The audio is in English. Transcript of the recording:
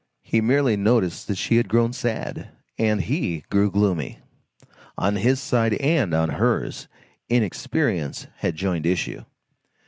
He merely noticed that she had grown sad, and he grew gloomy. On his side and on hers, inexperience had joined issue.